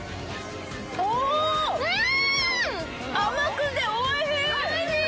おー、甘くておいしい！